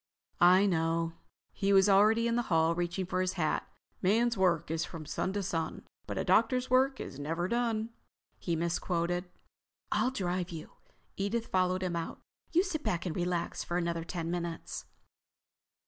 "I know." He was already in the hall, reaching for his hat. "Man's work is from sun to sun, but a doctor's work is never done," he misquoted. "I'll drive you." Edith followed him out. "You sit back and relax for another ten minutes...."